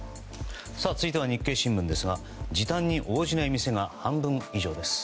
続いては日経新聞ですが時短に応じない店が半分以上です。